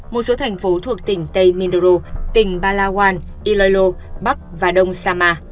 một số thành phố thuộc tỉnh tây mindoro tỉnh palawan iloilo bắc và đông sama